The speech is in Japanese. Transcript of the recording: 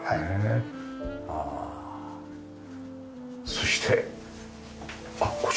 そしてあっこちら？